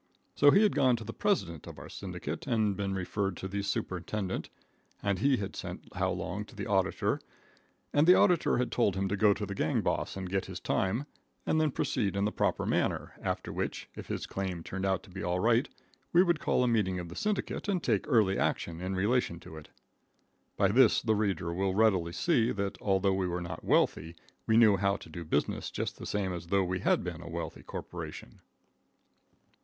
So he had gone to the president of our syndicate and had been referred to the superintendent, and he had sent How Long to the auditor, and the auditor had told him to go to the gang boss and get his time, and then proceed in the proper manner, after which, if his claim turned out to be all right, we would call a meeting of the syndicate and take early action in relation to it. By this, the reader will readily see that, although we were not wealthy, we knew how to do business just the same as though we had been a wealthy corporation.